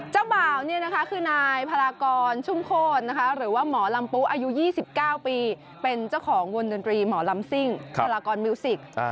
เจ้าบ่าวคือนายพลากรชุ่มโคตรหรือว่าหมอลำปุ๊อายุ๒๙ปีเป็นเจ้าของวงดนตรีหมอลำซิ่งพลากรมิวสิก